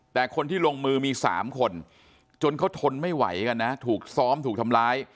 แต่คนที่ลงมือมี๓คนจนเขาทนไม่ไหวกันนะถูกซ้อมถูกทำร้าย